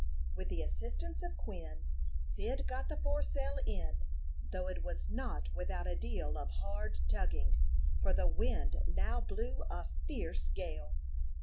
With the assistance of Quin, Cyd got the foresail in, though it was not without a deal of hard tugging, for the wind now blew a fierce gale.